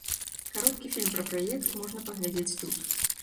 Кароткі фільм пра праект можна паглядзець тут.